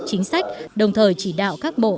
chính sách đồng thời chỉ đạo các bộ